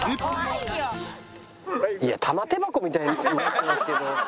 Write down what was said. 「怖いよ！」いや玉手箱みたいになってますけど。